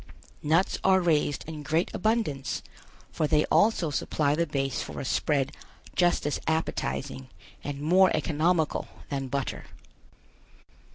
Nuts are raised in great abundance, for they also supply the base for a spread just as appetizing and more economical than butter.